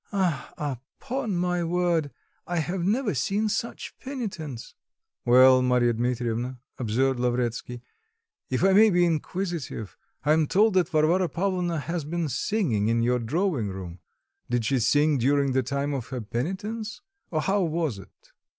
Ah, upon my word, I have never seen such penitence!" "Well, Marya Dmitrievna," observed Lavretsky, "if I may be inquisitive: I am told that Varvara Pavlovna has been singing in your drawing room; did she sing during the time of her penitence, or how was it?"